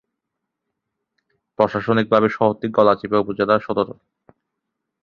প্রশাসনিকভাবে শহরটি গলাচিপা উপজেলার সদর।